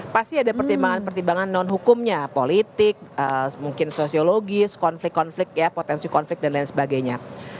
pasti ada pertimbangan pertimbangan non hukumnya politik mungkin sosiologis konflik konflik ya potensi konflik dan lain sebagainya